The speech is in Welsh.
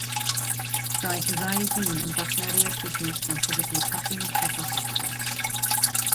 Daeth y ddau ddyn yn bartneriaid busnes gan sefydlu cadwyn o siopau groser.